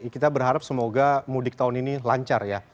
kita berharap semoga mudik tahun ini lancar ya